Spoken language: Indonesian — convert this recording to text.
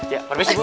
ya permisi bu